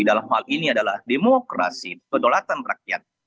dalam hal ini adalah demokrasi kedolatan rakyat